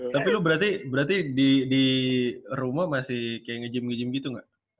tapi lo berarti dirumah masih kayak nge gym gitu gak